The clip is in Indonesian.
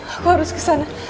aku harus kesana